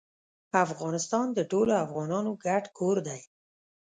افغانستان د ټولو افغانانو ګډ کور دی